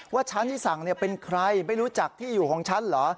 ว่าชั้นที่สั่งเป็นใครไม่รู้จักที่อยู่ของฉันเหรอ